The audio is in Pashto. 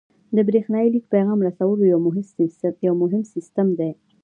د بریښنایي لیک پیغام رسولو یو مهم سیستم دی.